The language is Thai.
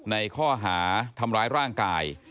ในข้อหาทำร้ายร่างกาย